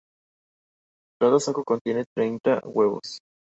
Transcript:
Cada saco contiene treinta huevos.